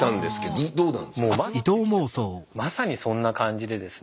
もうまさにそんな感じでですね。